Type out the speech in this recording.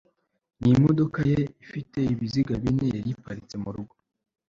n'imodoka ye ifite ibiziga bine yari iparitse murugo